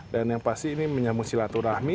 yang pasti ini menyambung silaturahmi